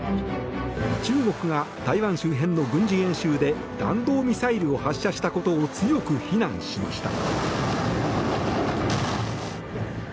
中国が台湾周辺の軍事演習で弾道ミサイルを発射したことを強く非難しました。